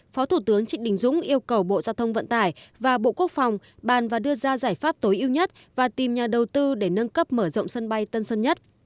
phó thủ tướng trịnh đình dũng yêu cầu bộ giao thông vận tải và bộ quốc phòng bàn và đưa ra giải pháp tối ưu nhất và tìm nhà đầu tư để nâng cấp mở rộng sân bay tân sơn nhất